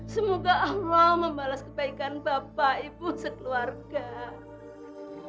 semoga allah membalas kebaikan bapak ibu sekeluarga